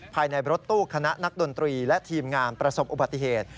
ภายในรถตู้คณะนักดนตรีและทีมงานประสบอุบัติเหตุ